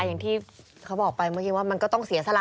อย่างที่เขาบอกไปเมื่อกี้ว่ามันก็ต้องเสียสละ